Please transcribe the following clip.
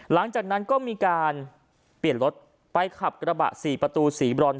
หลังจากนั้นก็มีการเปลี่ยนรถไปขับกระบะสี่ประตูสีบรอน